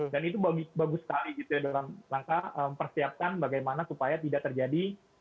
dan itu bagus sekali gitu ya dalam langkah persiapkan bagaimana supaya tidak terjadi kesalahan